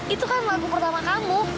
itu kan lagu pertama kamu